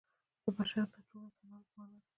بشر د ټولو انسانانو په معنا دی.